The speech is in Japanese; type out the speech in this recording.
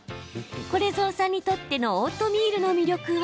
これぞうさんにとってのオートミールの魅力は。